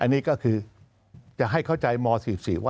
นี่ก็คือว่าจะให้เข้าใจม๔๔ว่าอะไรดี